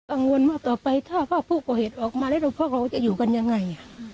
กังวลว่าต่อไปถ้าพ่อผู้ก่อเหตุออกมาแล้วพวกเราจะอยู่กันยังไง